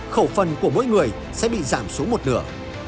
khẩu phần của mỗi người sẽ bị giảm xuống một nửa